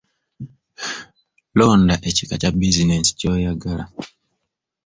Londa ekika kya bizinensi ky'oyagala.